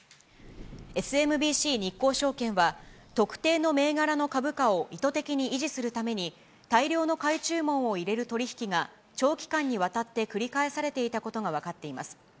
ＳＭＢＣ日興証券は、特定の銘柄の株価を意図的に維持するために、大量の買い注文を入れる取り引きが、長期間にわたって繰り返されていたことが分かっています。